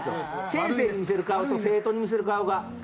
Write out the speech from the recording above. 先生に見せる顔と生徒に見せる顔が。